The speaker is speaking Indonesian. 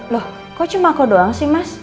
loh kok cuma kau doang sih mas